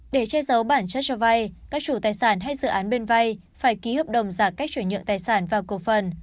để che giấu bản chất cho vai các chủ tài sản hay dự án bên vai phải ký hợp đồng giả cách chuyển nhượng tài sản vào cầu phần